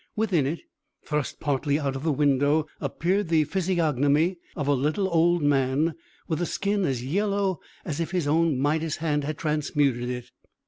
Within it, thrust partly out of the window, appeared the physiognomy of a little old man, with a skin as yellow as if his own Midas hand had transmuted it.